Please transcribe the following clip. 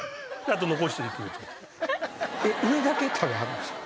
えっ上だけ食べはるんですか？